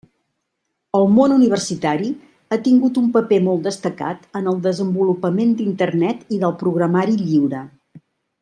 El món universitari ha tingut un paper molt destacat en el desenvolupament d'Internet i del programari lliure.